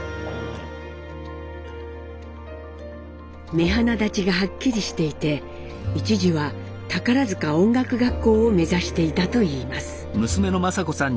目鼻立ちがハッキリしていて一時は宝塚音楽学校を目指していたといいます。